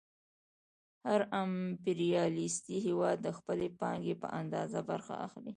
هر امپریالیستي هېواد د خپلې پانګې په اندازه برخه اخلي